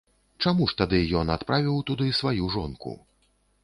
Чаму ж тады ён адправіў туды сваю жонку?